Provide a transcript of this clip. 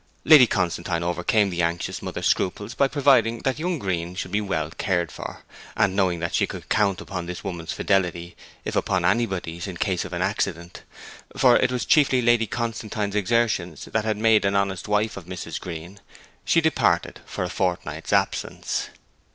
Lady Constantine overcame the anxious mother's scruples by providing that young Green should be well cared for; and knowing that she could count upon this woman's fidelity, if upon anybody's, in case of an accident (for it was chiefly Lady Constantine's exertions that had made an honest wife of Mrs. Green), she departed for a fortnight's absence.